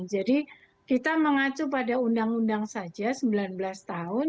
jadi kita mengacu pada undang undang saja sembilan belas tahun